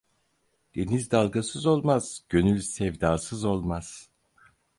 Deniz dalgasız olmaz, gönül sevdasız olmaz.